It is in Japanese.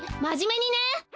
まじめにね！